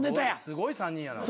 すごい３人やな。